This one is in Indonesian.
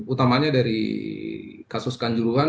utamanya dari kasus kanjuruhan